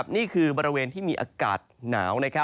นี่คือบริเวณที่มีอากาศหนาว